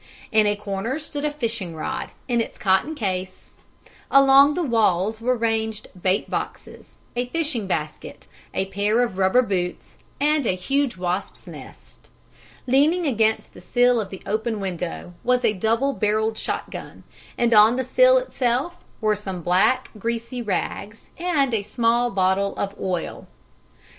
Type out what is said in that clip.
In a corner stood a fishing rod in its cotton case; along the wall were ranged bait boxes, a fishing basket, a pair of rubber boots, and a huge wasp's nest. Leaning against the sill of the open window was a double barreled shotgun, and on the sill itself were some black, greasy rags and a small bottle of oil.